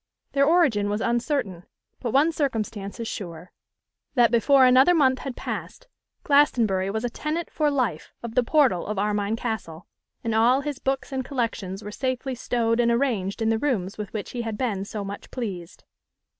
Their origin was uncertain; but one circumstance is sure: that, before another month had passed, Glastonbury was a tenant for life of the portal of Armine Castle, and all his books and collections were safely stowed and arranged in the rooms with which he had been so much pleased.